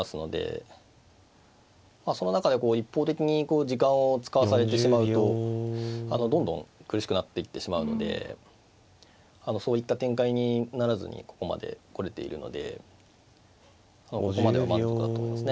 その中で一方的に時間を使わされてしまうとどんどん苦しくなっていってしまうのでそういった展開にならずにここまで来れているのでここまでは満足だと思いますね。